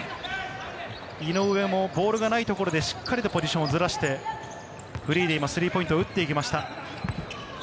井上もボールがないところでしっかりとポジションをずらして、フリーで今、スリーポイントを打っていきました。